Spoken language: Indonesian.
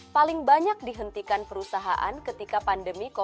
paling banyak dihentikan perusahaan ketika mereka berada di bidang administratif